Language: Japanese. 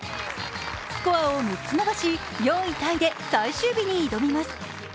スコアを３つ伸ばし、４位タイで最終日に挑みます。